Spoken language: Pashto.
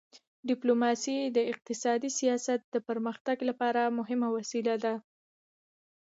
ډیپلوماسي د اقتصادي سیاست د پرمختګ لپاره مهمه وسیله ده.